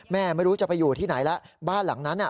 ไม่รู้จะไปอยู่ที่ไหนแล้วบ้านหลังนั้น